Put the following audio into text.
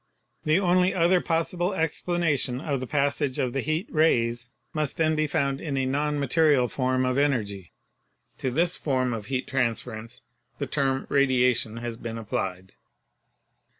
The only other pos sible explanation of the passage of the heat rays must then be found in a non material form of energy. To this form of heat transference the term "radiation" has been applied.